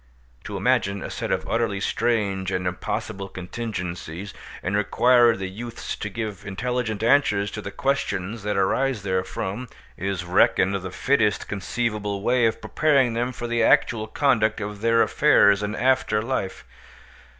To imagine a set of utterly strange and impossible contingencies, and require the youths to give intelligent answers to the questions that arise therefrom, is reckoned the fittest conceivable way of preparing them for the actual conduct of their affairs in after life.